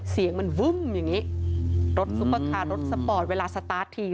เสียงมันบึ้มอย่างนี้รถซุปเปอร์คาร์รถสปอร์ตเวลาสตาร์ทที